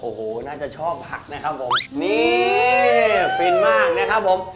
โอ้โหน่าจะชอบผักนะครับผมนี่ฟินมากนะครับผม